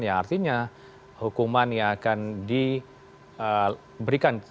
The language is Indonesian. yang artinya hukuman yang akan diberikan